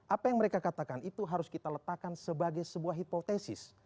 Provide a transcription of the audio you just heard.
apa yang mereka katakan itu harus kita letakkan sebagai sebuah hipotesis